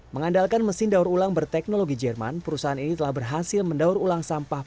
mengandalkan mesin daur ulang berteknologi jerman perusahaan ini telah berhasil mendaur ulang sampah